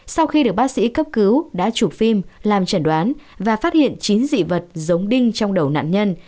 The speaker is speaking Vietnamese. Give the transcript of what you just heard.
sau khi được bác sĩ cấp cứu đã chụp phim làm chẩn đoán và phát hiện chín dị vật giống đinh trong đầu nạn nhân